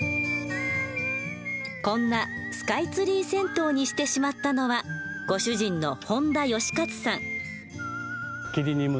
こんなスカイツリー銭湯にしてしまったのはご主人の本田義勝さん。